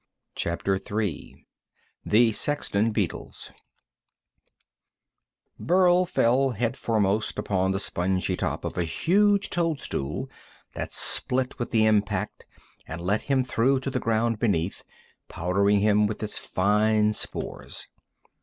CHAPTER III The Sexton Beetles Burl fell headforemost upon the spongy top of a huge toadstool that split with the impact and let him through to the ground beneath, powdering him with its fine spores.